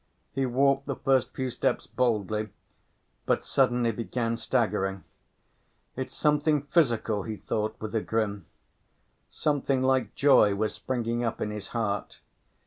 He walked the first few steps boldly, but suddenly began staggering. "It's something physical," he thought with a grin. Something like joy was springing up in his heart.